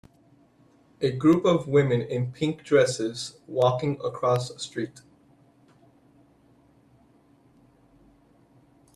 A group of women in pink dresses, walking across a street.